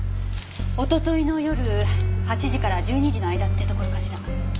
一昨日の夜８時から１２時の間ってところかしら。